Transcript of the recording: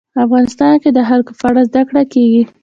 افغانستان کې د جلګه په اړه زده کړه کېږي.